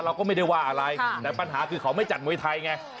เราก็ไม่ได้ว่าอะไรแต่ปัญหาคือเขาไม่จัดมวยไทยไง